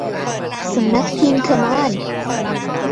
สำนักพิมพ์คัมออน